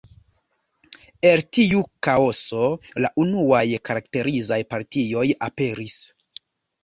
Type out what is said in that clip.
El tiu kaoso, la unuaj karakterizaj partioj aperis.